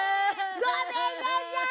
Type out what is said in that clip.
ごめんなさい。